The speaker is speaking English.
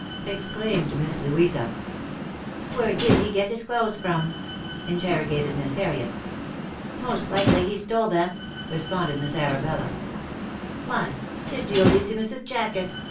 exclaimed Miss Louisa, u where did he get his clothes from?" interrogated Miss Harriet. " Most likely he stole them," responded Miss Arabella. " Why 'tis Duodecimus's jacket